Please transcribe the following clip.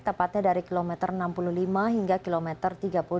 tepatnya dari kilometer enam puluh lima hingga kilometer tiga puluh enam